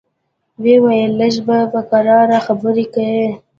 ويې ويل لږ به په کراره خبرې کيې.